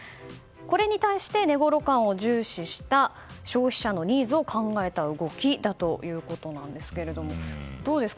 これに対して値ごろ感を重視した消費者のニーズを考えた動きだということですがどうですか？